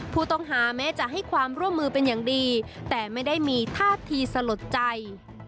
ผู้ต้องหาแม้จะให้ความร่วมมือเป็นอย่างดีแต่ไม่ได้มีท่าทีสลดใจ